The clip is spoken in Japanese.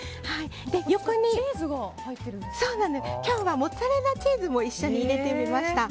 横に今日はモッツァレラチーズも一緒に入れてみました。